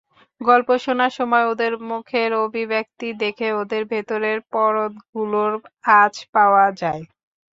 গল্প শোনার সময় ওদের মুখের অভিব্যক্তি দেখে ওদের ভেতরের পরতগুলোর আঁচ পাওয়া যায়।